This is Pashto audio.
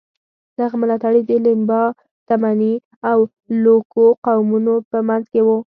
دغه ملاتړي د لیمبا، تمني او لوکو قومونو په منځ کې وو.